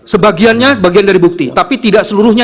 sebagiannya bagian dari bukti tapi tidak seluruhnya